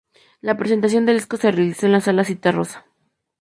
La presentación del disco se realizó en la Sala Zitarrosa.